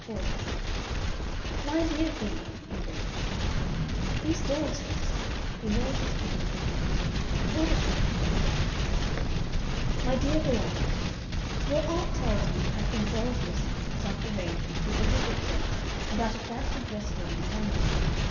Part 4 MY DEAR VEE, he wrote. These daughters! He gnawed his pen and reflected, tore the sheet up, and began again. "MY DEAR VERONICA, Your aunt tells me you have involved yourself in some arrangement with the Widgett girls about a Fancy Dress Ball in London.